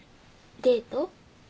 デート？